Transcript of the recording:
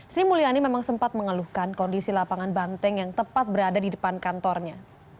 sri mulyani memang sempat mengeluhkan kondisi lapangan banteng yang tepat berada di depan kantornya